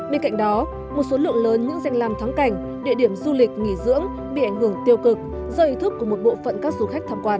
bên cạnh đó một số lượng lớn những danh làm thắng cảnh địa điểm du lịch nghỉ dưỡng bị ảnh hưởng tiêu cực do ý thức của một bộ phận các du khách tham quan